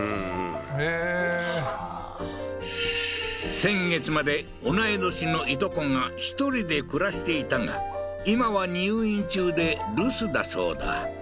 へえーはあー先月まで同い年の従姉妹が１人で暮らしていたが今は入院中で留守だそうだ